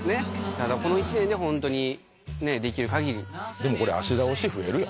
ただこの１年でホントにできる限りでもこれ芦田推し増えるよ